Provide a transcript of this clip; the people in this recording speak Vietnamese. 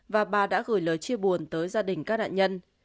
và bà đã gửi lời chia buồn tới gia đình các nạn nhân